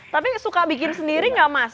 tapi suka bikin sendiri nggak mas